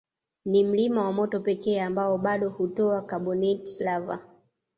Ni mlima wa moto pekee ambao bado hutoa carbonatite lava